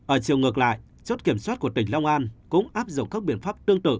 ở chiều ngược lại chốt kiểm soát của tỉnh long an cũng áp dụng các biện pháp tương tự